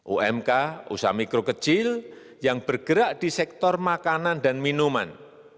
umk usaha mikro kecil yang bergerak di sektor makanan dan minuman